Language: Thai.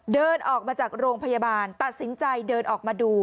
เดินออกมาจากโรงพยาบาลตัดสินใจเดินออกมาดู